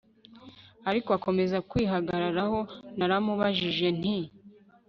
ariko akomeza kwihagararaho Naramubajije nti